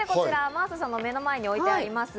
真麻さんの目の前に置いてあります。